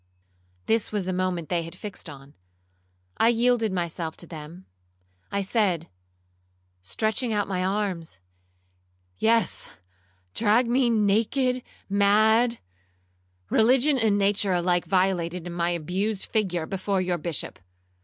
This was the moment they had fixed on—I yielded myself to them. I said, stretching out my arms, 'Yes, drag me naked, mad—religion and nature alike violated in my abused figure—before your Bishop.